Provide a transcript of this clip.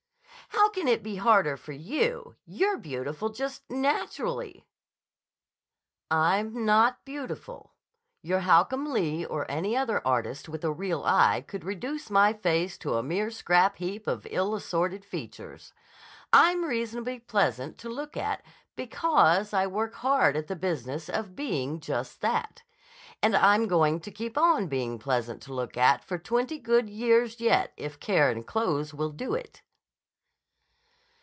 "How can it be harder for you? You're beautiful just naturally." "I'm not beautiful. Your Holcomb Lee or any other artist with a real eye could reduce my face to a mere scrap heap of ill assorted features. I'm reasonably pleasant to look at because I work hard at the business of being just that. And I'm going to keep on being pleasant to look at for twenty good years yet if care and clothes will do it!"